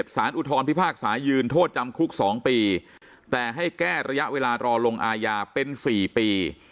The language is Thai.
สารอุทธรพิพากษายืนโทษจำคุก๒ปีแต่ให้แก้ระยะเวลารอลงอาญาเป็น๔ปี